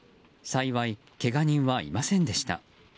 幸い、けが人はいませんでした。